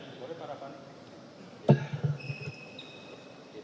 boleh pak rapan